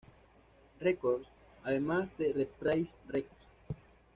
Records, además de Reprise Records.